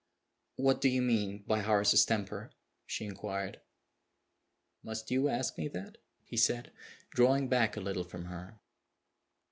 "What do you mean by Horace's temper?" she inquired. "Must you ask me that?" he said, drawing back a little from her.